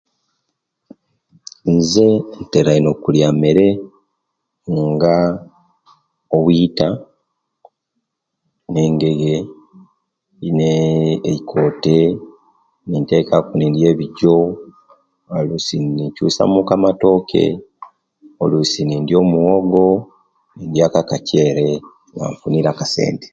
Nze ntera kulya imere nga obwita ne ngege, neee eikote niteka ku nindiya ebijo oluisi ninkyusa muku amatoke, oluisi nindiya omuwogo, nindya ku akakyere nga nfunire akasente